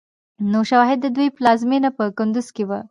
نو شايد د دوی پلازمېنه په کندوز کې وه